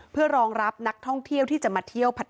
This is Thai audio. เพื่อรองรับนักท่องเที่ยวที่จะมาเที่ยวผัด